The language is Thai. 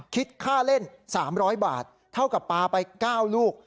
คิดค่าเล่น๓๐๐บาทเท่ากับปลาไป๙ลูก